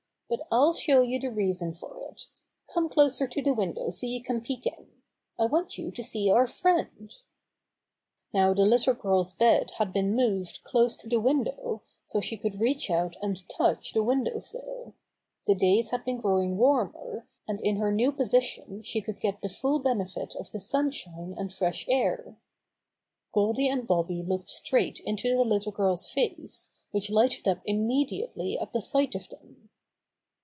But I'll show you the reason fot it. Come closer to the window so you can peck in. I want you to see our friend." 54 Bobby Gray Squirrel's Adventures Now the little girl's bed had been moved close to the window so she could reach out and touch the window sill. The days had been growing warmer, and in her new position she could get the full benefit of the sunshine and fresh air. Goldy and Bobby looked straight into the little girl's face, which lighted up immediately at the sight of them.